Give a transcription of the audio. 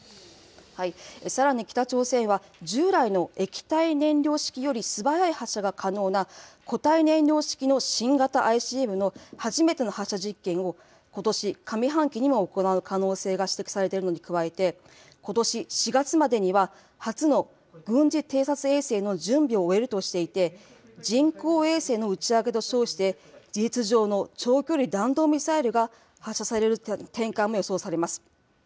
さらに北朝鮮は、従来の液体燃料式より素早い発射が可能な固体燃料式の新型ＩＣＢＭの初めての発射実験を、ことし上半期にも行う可能性が指摘されているのに加えて、ことし４月までには、初の軍事偵察衛星の準備を終えるとしていて、人工衛星の打ち上げと称して、事実上の長距離弾道ミサイルが発射される展開も予想されます。